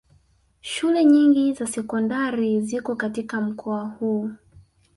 Shule nyingi za sekondari ziko katika mkoa huu